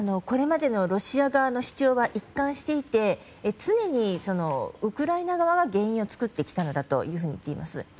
これまでのロシア側の主張は一貫していて常にウクライナ側が原因を作ってきたのだというふうに言っています。